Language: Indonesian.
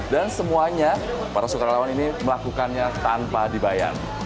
dan semuanya para sukarelawan ini melakukannya tanpa dibayang